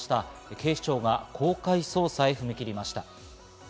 警視庁が公開捜査へ踏み切りました。